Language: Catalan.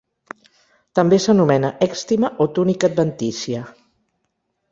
També s'anomena èxtima o túnica adventícia.